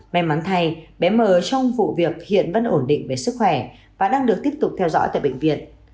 may mắn thay bé mờ trong vụ việc hiện vẫn ổn định về sức khỏe và đang được tiếp tục theo dõi tại bệnh viện